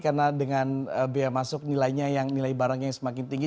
karena dengan bea masuk nilai barangnya yang semakin tinggi